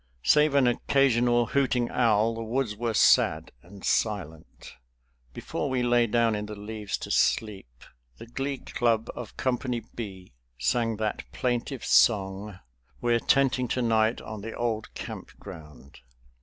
Save an occasional hooting owl the woods were sad and silent. Before we lay down in the leaves to sleep the glee club of Company B sang that plaintive song, "We're Tenting To night on the Old Camp Ground."